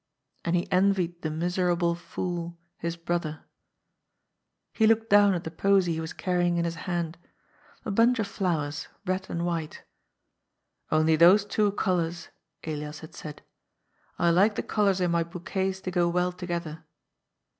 And he envied the miserable fool, his brother. 230 GOD'S POOL. He looked down at the posy he was carrying in his hand. A bunch of flowers, red and white —" Only those two col ours," Elias had said, ^^ I like the colours in my bouquets to go well together."